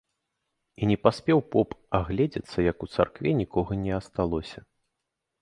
І не паспеў поп агледзецца, як у царкве нікога не асталося.